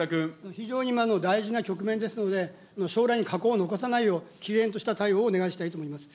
非常に今、大事な局面ですので、将来に禍根を残さないようきぜんとした対応をお願いしたいと思います。